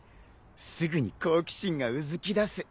すぐに好奇心がうずきだす。